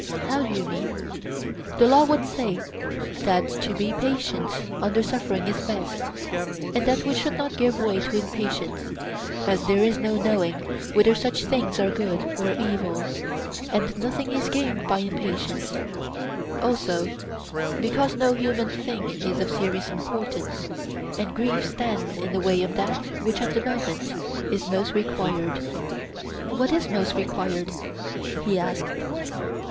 How do you mean? The law would say that to be patient under suffering is best, and that we should not give way to impatience, as there is no knowing whether such things are good or evil; and nothing is gained by impatience; also, because no human thing is of serious importance, and grief stands in the way of that which at the moment is most required. What is most required? he asked.